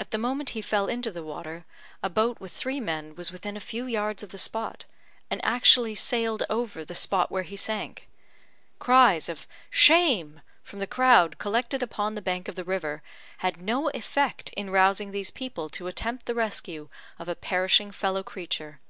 At the moment he fell into the water, a boat with three men was within a few yards of the spot, and actually sailed over the spot where he sank. Cries of "Shame!" from the crowd collected upon the bank of the river, had no effect in rousing these people to attempt the rescue of a perishing fellow creature.